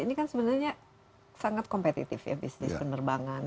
ini kan sebenarnya sangat kompetitif ya bisnis penerbangan